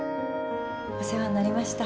お世話になりました。